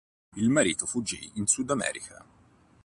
Il marito fuggì in Sudamerica.